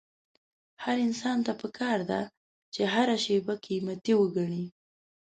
هر انسان ته پکار ده چې هره شېبه قيمتي وګڼي.